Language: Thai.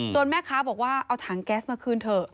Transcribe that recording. แม่ค้าบอกว่าเอาถังแก๊สมาคืนเถอะ